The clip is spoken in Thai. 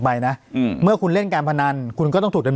ปากกับภาคภูมิ